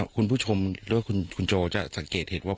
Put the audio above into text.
คุณผู้ชมหรือว่าคุณโจจะสังเกตเห็นว่า